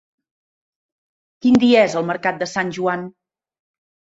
Quin dia és el mercat de Sant Joan?